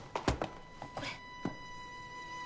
これ。